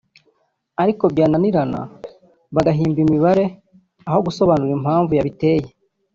ariko byananirana bagahimba imibare aho gusobanura impamvu yabiteye